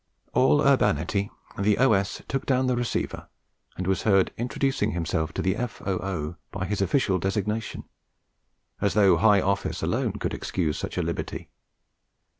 All urbanity, the O.S. took down the receiver, and was heard introducing himself to the F.O.O. by his official designation, as though high office alone could excuse such a liberty.